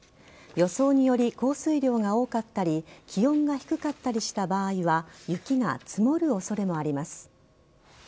予想より降水量が多かったり気温が低かったりした場合は雪が積もる恐れもあります。